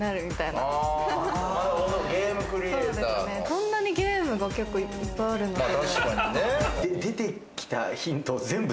こんなにゲームが結構いっぱいあるので。